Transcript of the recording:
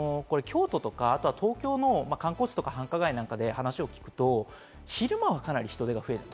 もう一個が京都とか東京の観光地とか繁華街で話を聞くと、昼間はかなり人出が増えている。